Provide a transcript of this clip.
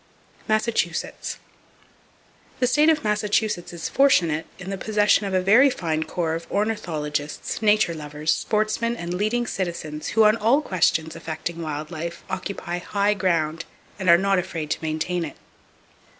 Massachusetts. —The state of Massachusetts is fortunate in the possession of a very fine corps of ornithologists, nature lovers, sportsmen and leading citizens who on all questions affecting wild life occupy high ground and are not afraid to maintain it.